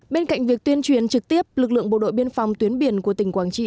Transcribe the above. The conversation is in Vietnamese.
bên cạnh việc tuyên truyền trực tiếp lực lượng bộ đội biên phòng tuyến biển của tỉnh quảng trị